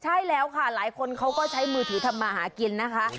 ใช่แล้วค่ะหลายคนเขาก็ใช้มือถือทำมาหากินนะคะ